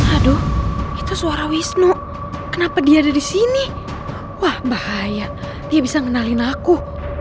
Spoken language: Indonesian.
aduh itu suara wisnu kenapa dia ada di sini wah bahaya dia bisa ngenalin aku